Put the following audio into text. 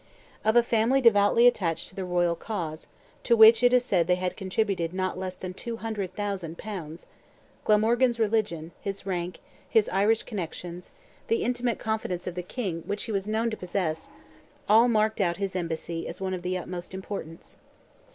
Of a family devoutly attached to the royal cause, to which it is said they had contributed not less than 200,000 pounds, Glamorgan's religion, his rank, his Irish connections, the intimate confidence of the King which he was known to possess, all marked out his embassy as one of the utmost importance.